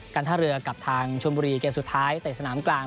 ท่าเรือกับทางชมบุรีเกมสุดท้ายเตะสนามกลาง